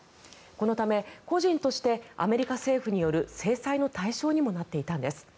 このため、個人としてアメリカ政府による制裁の対象にもなっていたんです。